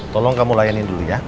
tolong kamu layanin dulu ya